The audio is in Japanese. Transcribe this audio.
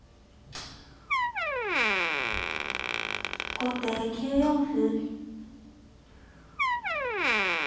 後手９四歩。